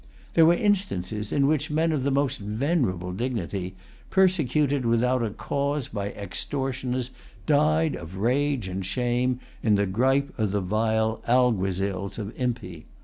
There were instances in which men of the most venerable dignity, persecuted without a cause by extortioners, died of rage and shame in the gripe of the vile alguazils of Impey.